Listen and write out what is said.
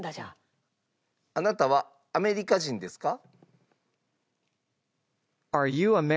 あなたはアメリカ人ですか？